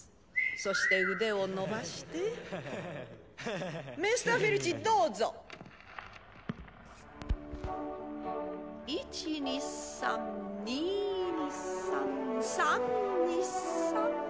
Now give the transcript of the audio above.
そして腕を伸ばしてミスターフィルチどうぞ１２３２２３３２３